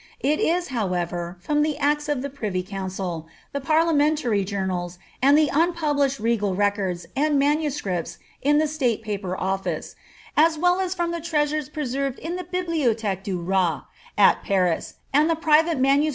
It is, however^ from the Acts of the Privy Council, the Parliamentary Joarnals, and the nnpublished Regal Records and MSS. in the State Paper Office, as well as from the treasures preserved in the Bihliotkhque du A»t, at Paris, and the private MS.